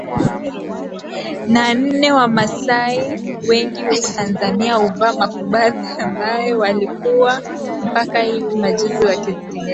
na nne Wamasai wengi huko Tanzania huvaa makubadhi ambayo walikuwa mpaka hivi majuzi wakizitengeneza